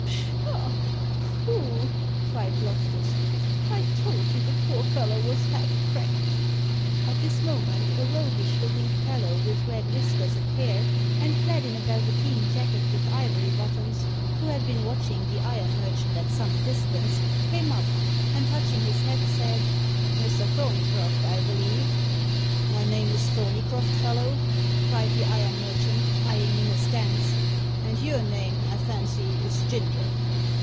"Pshaw! poh!" cried Loftus. "I told you the poor fellow was half cracked." At this moment, a roguish looking fellow, with red whiskers and hair, and clad in a velveteen jacket with ivory buttons, who had been watching the iron merchant at some distance, came up, and touching his hat, said, "Mr. Thorneycroft, I believe?" "My name is Thorneycroft, fellow!" cried the iron merchant, eyeing him askance. "And your name, I fancy, is Ginger?"